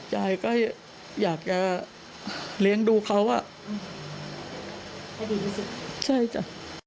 ยายก็อยากจะเลี้ยงดูเขาอ่ะใช่จ้ะ